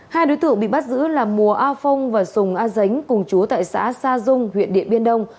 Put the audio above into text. hai đối tượng bị bắt giữ là mùa a phong và sùng a dính cùng chú tại xã sa dung huyện điện biên đông